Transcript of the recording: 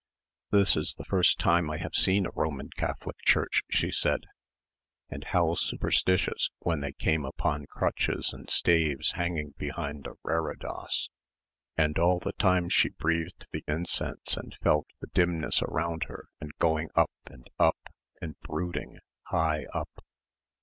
"This is the first time I have seen a Roman Catholic church," she said, and "how superstitious" when they came upon crutches and staves hanging behind a reredos and all the time she breathed the incense and felt the dimness around her and going up and up and brooding, high up.